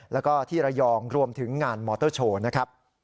แล้วก็ที่ระยองรวมถึงงานมอเตอร์โชว์นะครับ